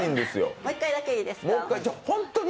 もう一回だけいいですか。